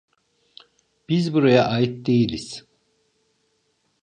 Biz buraya ait değiliz.